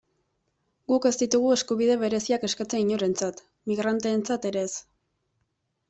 Guk ez ditugu eskubide bereziak eskatzen inorentzat, migranteentzat ere ez.